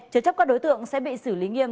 chứa chấp các đối tượng sẽ bị xử lý nghiêm